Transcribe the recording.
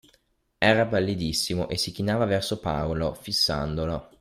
Era pallidissimo e si chinava verso Paolo, fissandolo.